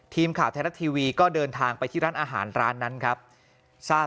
ทีมข่าวไทยรัฐทีวีก็เดินทางไปที่ร้านอาหารร้านนั้นครับทราบ